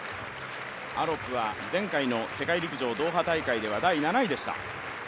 アロップは前回の世界陸上ドーハ大会では第７位でした。